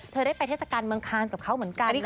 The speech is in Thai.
ได้ไปเทศกาลเมืองคานกับเขาเหมือนกัน